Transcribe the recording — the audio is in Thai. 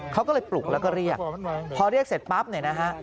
เขาก็เลยปลุกแล้วก็เรียกพอเรียกเสร็จปั๊บเนี่ยนะฮะ